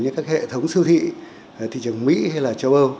như các hệ thống siêu thị thị trường mỹ hay là châu âu